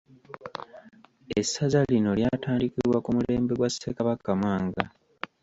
Essaza lino ly'atandikibwa ku mulembe gwa Ssekabaka Mwanga.